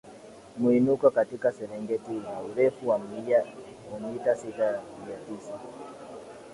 mwinuko katika serengeti una urefu wa mita mia tisa